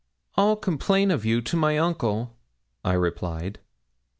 'I'll complain of you to my uncle,' I replied.